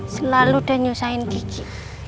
selalu udah nyusahin kiki